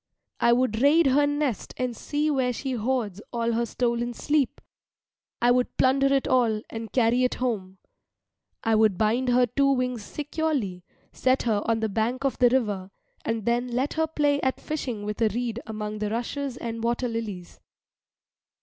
I would raid her nest and see where she hoards all her stolen sleep. I would plunder it all, and carry it home. I would bind her two wings securely, set her on the bank of the river, and then let her play at fishing with a reed among the rushes and water lilies.